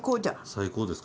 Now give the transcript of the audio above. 最高ですか？